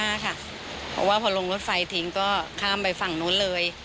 เพราะว่าพอลงรถไฟทิ้งก็ข้ามไปฝั่งนู้นเลย